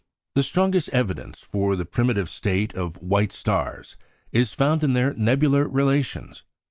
The strongest evidence for the primitive state of white stars is found in their nebular relations.